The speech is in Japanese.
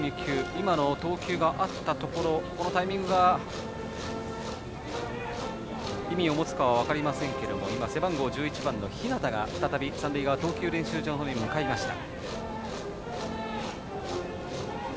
今の投球があったところこのタイミングが意味を持つかは分かりませんが背番号１１番の日當が再び三塁側の投球練習場へ向かいました。